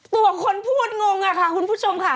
ตัวคนพูดงงอะค่ะคุณผู้ชมค่ะ